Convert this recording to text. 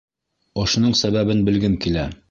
Ошоноң сәбәбен белгем килә.